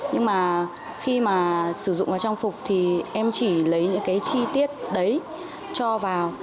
nhưng mà khi mà sử dụng vào trang phục thì em chỉ lấy những cái chi tiết đấy cho vào